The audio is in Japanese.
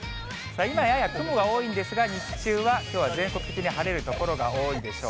今やや雲多いんですが、日中はきょうは全国的に晴れる所が多いでしょう。